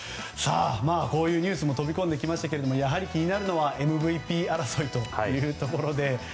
こういうニュースも飛び込んできましたがやはり気になるのはＭＶＰ争いというところで。